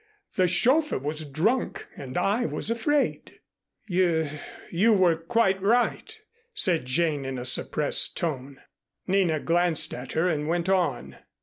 The chauffeur was drunk and I was afraid." "Y you were quite right," said Jane in a suppressed tone. Nina glanced at her and went on.